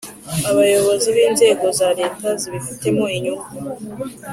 abayobozi b inzego za Leta zibifitemo inyungu